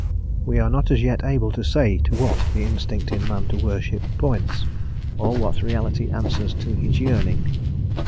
We are not as yet able to say to what the instinct in man to worship points, or what reality answers to his yearning.